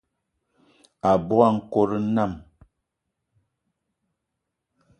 Abogo a nkòt nnam